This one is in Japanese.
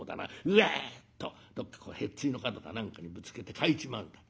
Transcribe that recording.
うわっとどっかへっついの角か何かにぶつけて欠いちまうんだ。